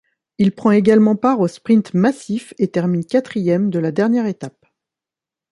Il prend également part au sprints massifs, et termine quatrième de la dernière étape.